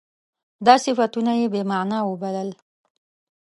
دا صفتونه یې بې معنا وبلل.